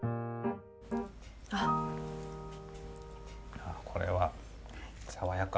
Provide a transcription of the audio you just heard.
ああこれは爽やか。